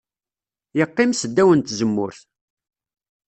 Yeqqim s ddaw n tzemmurt.